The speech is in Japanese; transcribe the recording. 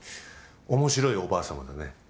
面白いおばあ様だね。